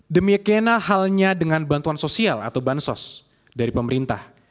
demikiana halnya dengan bantuan sosial atau bansos dari pemerintah